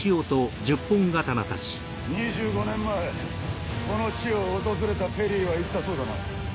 ２５年前この地を訪れたペリーは言ったそうだな。